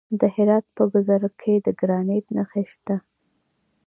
د هرات په ګذره کې د ګرانیټ نښې شته.